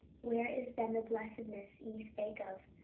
48:004:015 Where is then the blessedness ye spake of?